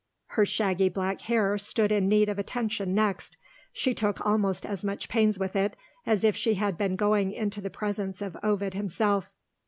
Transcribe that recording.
Her shaggy black hair stood in need of attention next. She took almost as much pains with it as if she had been going into the presence of Ovid himself.